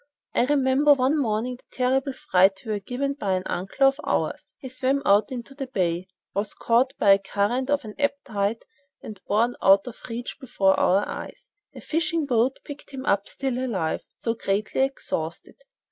I remember one morning the terrible fright we were given by an uncle of ours; he swam out into the bay, was caught by the current of an ebb tide and borne out of reach of our eyes. A fishing boat picked him up still alive, though greatly exhausted.